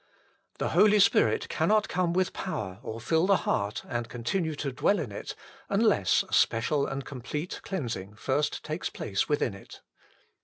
The Holy Spirit cannot come with power or fill the heart and continue to dwell in it, unless a special and complete cleansing first takes place within it.